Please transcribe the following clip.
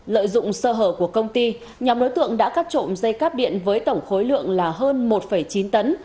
lạ thở của công ty nhóm đối tượng đã cắt trộm dây cắp điện với tổng khối lượng là hơn một chín tấn